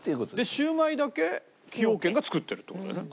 シウマイだけ崎陽軒が作ってるって事だよね。